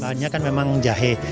bahannya kan memang jahe